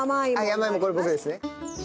山芋これ僕ですね。